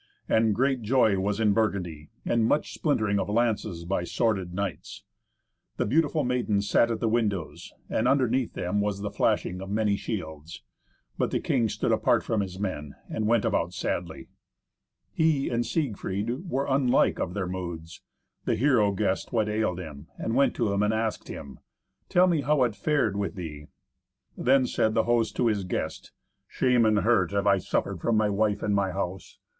And great joy was in Burgundy, and much splintering of lances by sworded knights. The beautiful maidens sat at the windows, and underneath them was the flashing of many shields. But the king stood apart from his men, and went about sadly. He and Siegfried were unlike of their moods. The hero guessed what ailed him, and went to him and asked him, "Tell me how it hath fared with thee." Then said the host to his guest, "Shame and hurt have I suffered from my wife in my house.